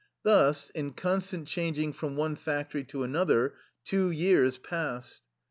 Thus, in constant changing from one factory to another, two years passed.